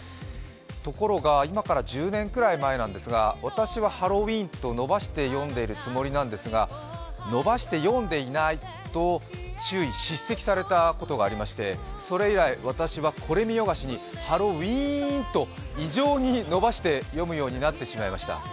ところが、今から１０年くらい前なんですが、私はハロウィーンと伸ばして読んでいるつもりなんですが伸ばして読んでいないと注意、叱責されたことがありまして、それ以来、私はこれ見よがしに「ハロウィーーン」と異常に伸ばして読むようになってしまいました。